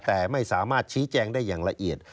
แต่ไม่สามารถชี้แจงได้อย่างละเอียด